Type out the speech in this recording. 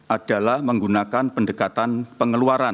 adalah menggunakan pendekatan pengeluaran